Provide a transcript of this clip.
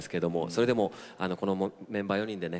それでもこのメンバー４人でね